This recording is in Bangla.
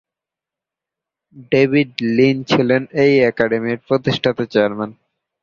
ডেভিড লিন ছিলেন এই একাডেমি প্রতিষ্ঠাতা চেয়ারম্যান।